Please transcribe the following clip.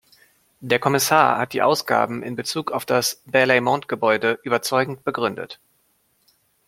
Der Kommissar hat die Ausgaben in Bezug auf das Berlaymont-Gebäude überzeugend begründet.